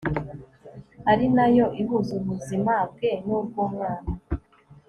ari na yo ihuza ubuzima bwe nubwumwana